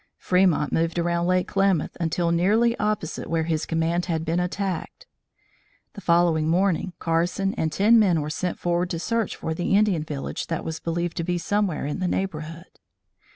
Fremont moved around Lake Klamath until nearly opposite where his command had been attacked. The following morning, Carson and ten men were sent forward to search for the Indian village that was believed to be somewhere in the neighborhood.